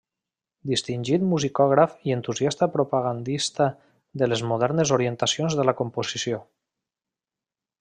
Distingit musicògraf i entusiasta propagandista de les modernes orientacions de la composició.